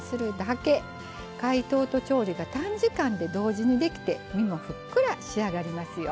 解凍と調理が短時間で同時にできて身もふっくら仕上がりますよ。